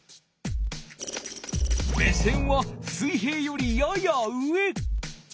目線は水平よりやや上。